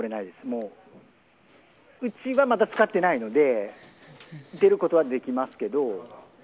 うちはまだつかってないので、行けることはできますけれども。